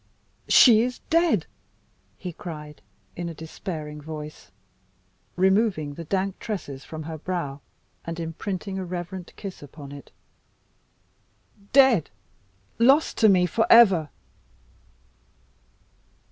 "She is dead!" he cried, in a despairing voice, removing the dank tresses from her brow, and imprinting a reverent kiss upon it. "Dead! lost to me for ever!"